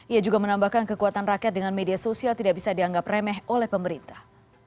ia juga menambahkan kekuatan rakyat dengan media sosial tidak bisa dianggap remeh oleh pemerintah